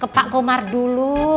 ke pak komar dulu